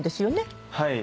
はい。